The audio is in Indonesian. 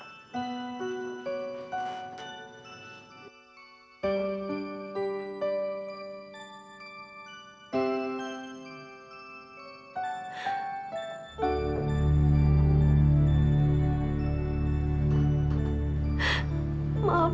tidak apakah ayah